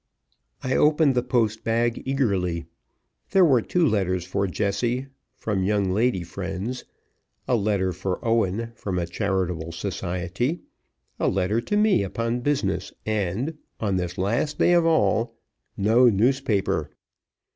I opened the post bag eagerly. There were two letters for Jessie from young lady friends; a letter for Owen from a charitable society; a letter to me upon business; and on this last day, of all others no newspaper!